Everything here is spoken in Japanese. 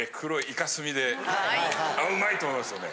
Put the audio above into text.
うまいと思いますよね。